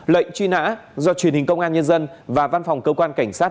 lệnh truy nã do truyền hình công an nhân dân và văn phòng cơ quan cảnh sát